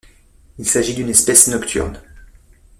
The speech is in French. Il s'agit d'une espèce nocturne.